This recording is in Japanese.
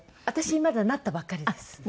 私まだなったばっかりです。